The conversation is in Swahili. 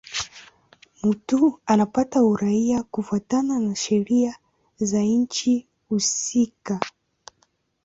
Mtu anapata uraia kufuatana na sheria za nchi husika.